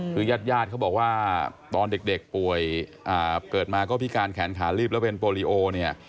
คือยาดเขาบอกว่าตอนเด็กป่วยเกิดมาก็พิการแขนขาลิบและผลิโอนี่